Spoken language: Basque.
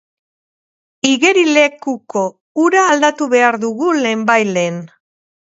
Igerilekuko ura aldatu behar dugu lehenbailehen.